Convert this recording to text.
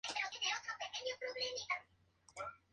Debido al costo de la carne, era una especialidad para Shabat.